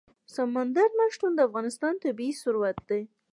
سمندر نه شتون د افغانستان طبعي ثروت دی.